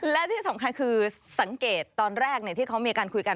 และที่สำคัญคือสังเกตตอนแรกที่เขามีการคุยกัน